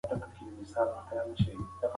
کولمو سرطان د سرې غوښې له کبله اندېښنه ده.